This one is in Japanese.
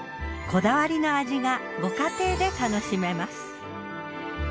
こだわりの味がご家庭で楽しめます。